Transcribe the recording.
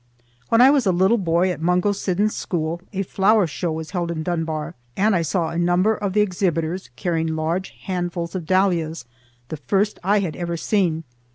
When I was a little boy at Mungo Siddons's school a flower show was held in Dunbar, and I saw a number of the exhibitors carrying large handfuls of dahlias, the first I had ever seen.